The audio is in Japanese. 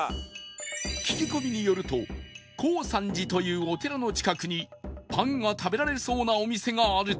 聞き込みによるとコウサンジというお寺の近くにパンが食べられそうなお店があるという